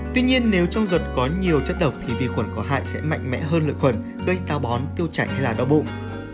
tuy nhiên nếu trong ruột có nhiều chất độc thì vi khuẩn có hại sẽ mạnh mẽ hơn lượng khuẩn gây táo bón tiêu chảy hay là đau bụng